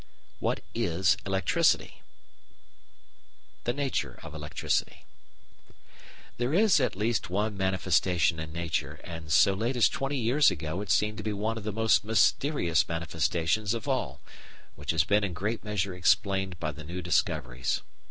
WHAT IS ELECTRICITY? The Nature of Electricity There is at least one manifestation in nature, and so late as twenty years ago it seemed to be one of the most mysterious manifestations of all, which has been in great measure explained by the new discoveries.